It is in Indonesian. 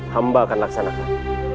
hamba akan laksanakan